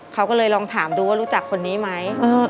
เขาก็เลยลองถามดูว่ารู้จักคนนี้ไหม